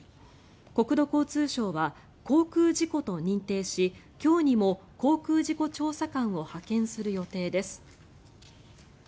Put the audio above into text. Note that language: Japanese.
国土交通省は航空事故と認定し今日にも航空事故調査官を派遣する予定です。